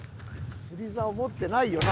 釣りざお持ってないよな？